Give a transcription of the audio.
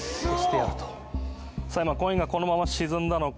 さあ今コインがこのまま沈んだのか。